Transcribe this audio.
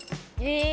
え！